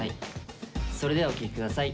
それではお聴き下さい。